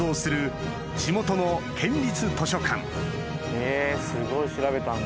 へぇすごい調べたんだ。